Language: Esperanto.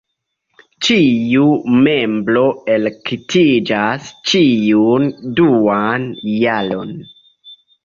Ĉiu membro elektiĝas ĉiun duan jaron.